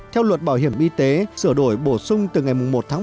hai theo luật bảo hiểm y tế sửa đổi bổ sung từ ngày một một hai nghìn bảy mươi năm